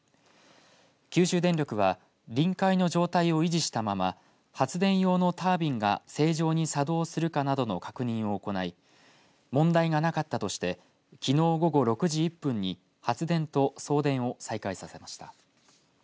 九州電力は臨界の状態を維持したまま発電用のタービンが正常に作動するかなどの確認を行い問題がなかったとしてきのう午後６時１分に発電と送電を再開させました。